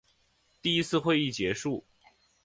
第一次会议结束。